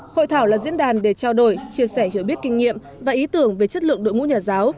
hội thảo là diễn đàn để trao đổi chia sẻ hiểu biết kinh nghiệm và ý tưởng về chất lượng đội ngũ nhà giáo